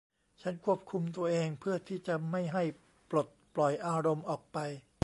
ฉันควบคุมตัวเองเพื่อที่จะไม่ให้ปลดปล่อยอารมณ์ออกไป